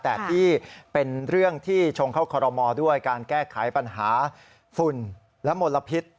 แต่ที่เป็นเรื่องที่ชงเข้าคอรมอด้วยการแก้ไขปัญหาฝุ่นและมลพิษ